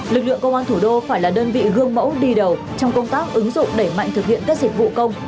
lực lượng công an thủ đô phải là đơn vị gương mẫu đi đầu trong công tác ứng dụng đẩy mạnh thực hiện các dịch vụ công